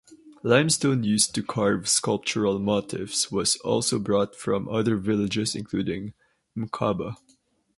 Limestone used to carve sculptural motifs was also brought from other villages including Mqabba.